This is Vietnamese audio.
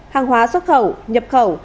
hàng hóa xuất khẩu nhập khẩu